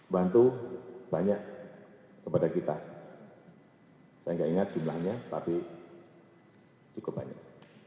bantu banyak kepada kita saya enggak ingat jumlahnya tapi cukup banyak